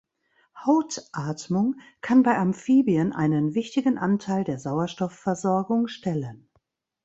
Hautatmung kann bei Amphibien einen wichtigen Anteil der Sauerstoffversorgung stellen.